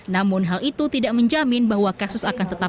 namun hal itu tidak menjamin bahwa kasus antivirus ini akan meningkat